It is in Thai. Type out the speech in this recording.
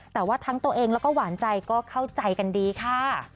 แต่ว่าทั้งตัวเองแล้วก็หวานใจก็เข้าใจกันดีค่ะ